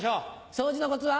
掃除のコツは？